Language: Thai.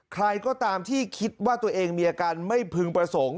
ใครก็ตามที่คิดว่าตัวเองมีอาการไม่พึงประสงค์